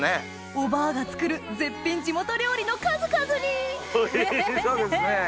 おばあが作る絶品地元料理の数々においしそうですね。